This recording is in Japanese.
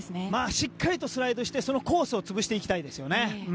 しっかりとスライドしてそのコースを潰していきたいですよね。